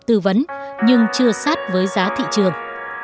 tư vấn nhưng chưa sát với giá thị trường